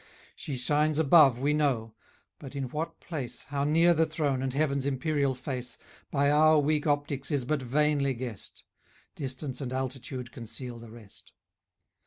} She shines above, we know; but in what place, How near the throne, and heaven's imperial face, By our weak optics is but vainly guessed; Distance and altitude conceal the rest.